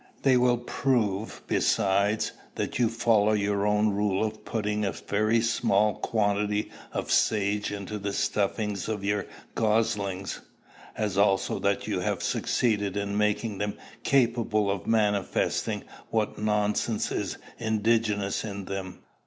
They will prove besides, that you follow your own rule of putting a very small quantity of sage into the stuffing of your goslings; as also that you have succeeded in making them capable of manifesting what nonsense is indigenous in them.